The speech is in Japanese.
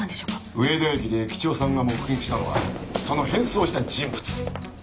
上田駅で駅長さんが目撃したのはその変装した人物。